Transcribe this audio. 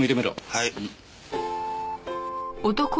はい。